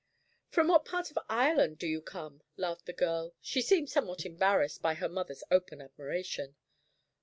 "From what part of Ireland do you come?" laughed the girl. She seemed somewhat embarrassed by her mother's open admiration.